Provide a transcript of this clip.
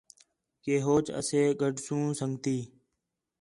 کہ ہوچ اَسے گڈھوسوں سنڳتی